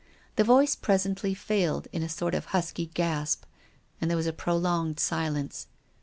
The voice presently failed, in a sort of husky gasp, and there was a prolonged silence.